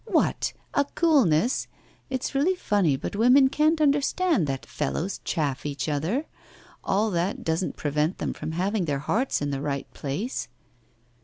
'What! a coolness? It's really funny, but women can't understand that fellows chaff each other. All that doesn't prevent them from having their hearts in the right place.